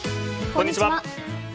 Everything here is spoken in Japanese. こんにちは。